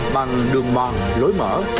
bằng đường mòn lối mở